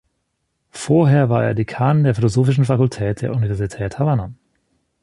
Vorher war er Dekan der philosophischen Fakultät der Universität Havanna.